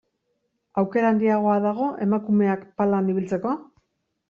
Aukera handiagoa dago emakumeak palan ibiltzeko?